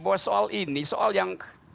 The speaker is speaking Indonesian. bahwa soal ini soal yang